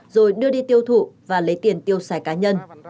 rồi đưa đi tiêu thủ và lấy tiền tiêu sản cá nhân